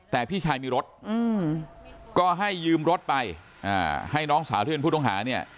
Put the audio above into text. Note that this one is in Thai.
แต่พี่ชายมีรถก็ให้ยืมรถไปให้น้องสาวที่เป็นผู้ต้องหาเนี่ย